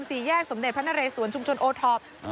สี่แยกสมเด็จพระนเรสวนชุมชนโอท็อป